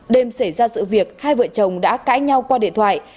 đêm xảy ra sự việc hai vợ chồng đã cãi nhau qua điện thoại